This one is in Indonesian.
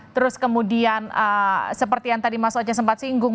terus kemudian seperti yang tadi mas oce sempat singgung